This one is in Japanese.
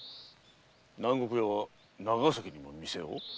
南国屋は長崎にも店を？